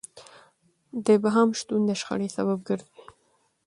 د ابهام شتون د شخړې سبب ګرځي.